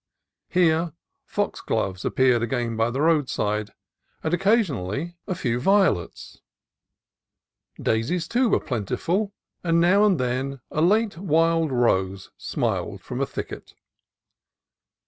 Here foxgloves appeared again by the roadside, and occasionally a few vio 302 CALIFORNIA COAST TRAILS lets. Daisies, too, were plentiful, and now and then a late wild rose smiled from a thicket.